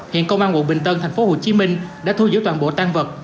hiện công an quận bình tân thành phố hồ chí minh đã thu giữ toàn bộ tăng vật